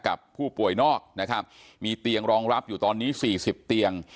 กับผู้ป่วยนอกนะครับมีเตียงรองรับอยู่ตอนนี้สี่สิบเตียง